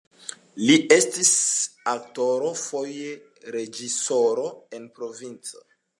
Li estis aktoro, foje reĝisoro en provinco.